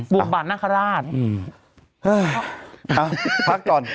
บวงบาทนาคาราช